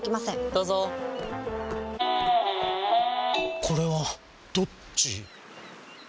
どうぞこれはどっち？